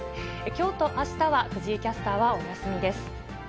きょうとあしたは、藤井キャスターはお休みです。